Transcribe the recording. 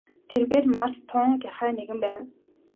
Тэрбээр малд тун гярхай нэгэн байв.